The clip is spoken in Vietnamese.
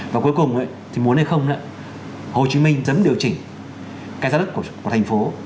và cuối cùng thì muốn hay không hồ chí minh dấn điều chỉnh cái giá đất của thành phố